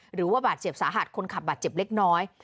หรือว่าบาดเจ็บสาหัสคนขับบาดเจ็บเล็กน้อย